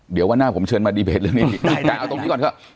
เดี๋ยววันหน้าผมเชิญมาดีเบตเรื่องนี้แต่เอาตรงนี้ก่อนเถอะ